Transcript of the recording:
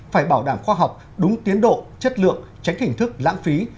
phải bảo đảm khoa học đúng tiến độ chất lượng tránh hình thức lãng phí